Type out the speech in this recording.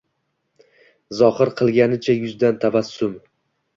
Zohir qilganicha yuzda tabassum